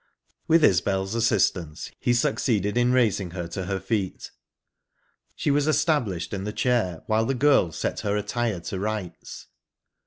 With Isbel's assistance he succeeded in raising her to her feet. She was established in the chair, while the girl set her attire to rights.